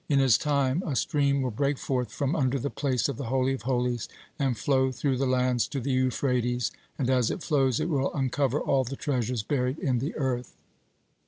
In his time a stream will break forth from under the place of the Holy of Holies, and flow through the lands to the Euphrates, and, as it flows, it will uncover all the treasures buried in the earth.